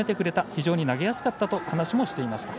非常に投げやすかったと話もしていました。